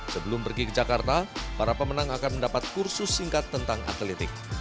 sebelum pergi ke jakarta para pemenang akan mendapat kursus singkat tentang atletik